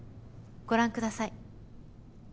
ご覧ください。